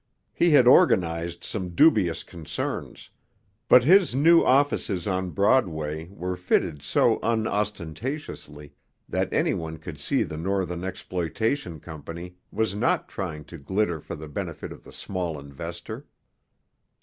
He had organized some dubious concerns; but his new offices on Broadway were fitted so unostentatiously that anyone could see the Northern Exploitation Company was not trying to glitter for the benefit of the small investor.